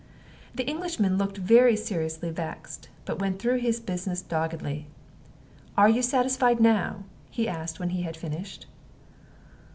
The Englishman looked very seriously vexed, but went through his business doggedly. "Are you satisfied now?" he asked when he had finished.